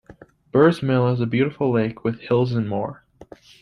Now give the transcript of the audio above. Burrs Mill is a beutiful lake with hills and more.